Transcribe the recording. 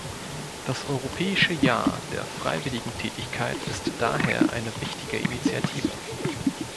Das Europäische Jahr der Freiwilligentätigkeit ist daher eine wichtige Initiative.